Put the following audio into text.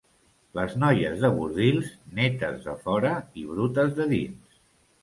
Les noies de Bordils, netes de fora i brutes de dins.